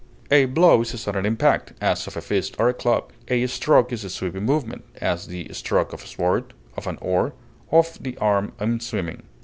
A blow is a sudden impact, as of a fist or a club; a stroke is a sweeping movement; as, the stroke of a sword, of an oar, of the arm in swimming.